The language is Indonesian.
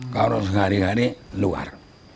kalau sehari hari luar